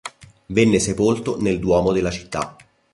Venne sepolto nel duomo della città.